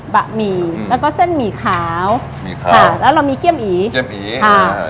บะหมี่แล้วก็เส้นหมี่ขาวหมี่ขาวค่ะแล้วเรามีเกี้ยมอีเจียมอีค่ะเอ่อ